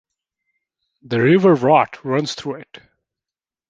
The river Rot runs through it.